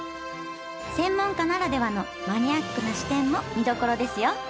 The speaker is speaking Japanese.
専門家ならではのマニアックな視点も見どころですよ